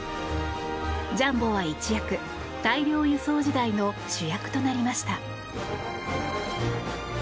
ジャンボは一躍、大量輸送時代の主役となりました。